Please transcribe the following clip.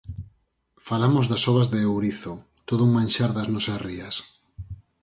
Falamos das ovas de ourizo, todo un manxar das nosas rías.